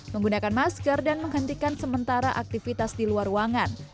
menggunakan masker dan menghentikan sementara aktivitas di luar ruangan